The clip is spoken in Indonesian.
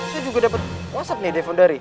saya juga dapet whatsapp nih daya fon dari